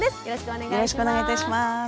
よろしくお願いします。